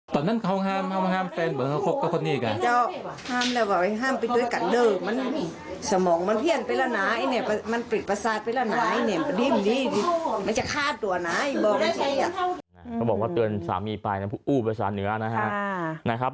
บอกว่าเตือนสามีไปนะอู้ภาษาเหนือนะครับ